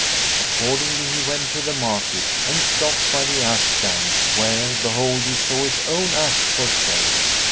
Accordingly, he went to the market and stopped by the ass stand, where behold, he saw his own ass for sale.